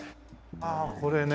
ああこれね。